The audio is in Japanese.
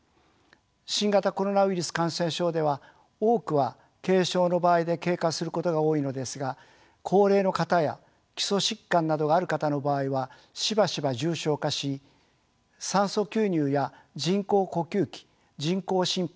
新型コロナウイルス感染症では多くは軽症の場合で経過することが多いのですが高齢の方や基礎疾患などがある方の場合はしばしば重症化し酸素吸入や人工呼吸器人工心肺